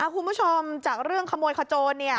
คุณผู้ชมจากเรื่องขโมยขโจรเนี่ย